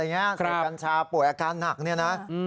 ในการชาป่วยอาการหนักนี่นะ